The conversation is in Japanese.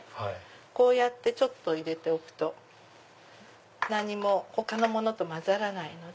こうやって入れておくと他のものと交ざらないので。